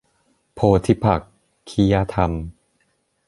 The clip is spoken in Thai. โพธิปักขิยธรรม